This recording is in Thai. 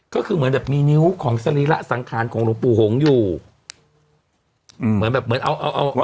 ก็คือเหมือนแบบมีนิ้วของสรีระสังขารของหลวงปู่หงอยู่อืมเหมือนแบบเหมือนเอาเอา